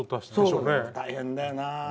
大変だよな。